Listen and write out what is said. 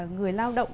người lao động